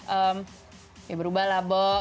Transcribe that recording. ehm ya berubah lah bok